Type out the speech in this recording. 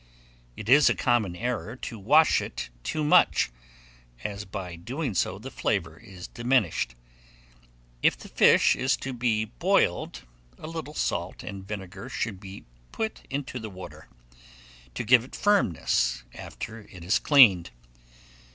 It is a common error to wash it too much; as by doing so the flavour is diminished. If the fish is to be boiled, a little salt and vinegar should be put into the water, to give it firmness, after it is cleaned.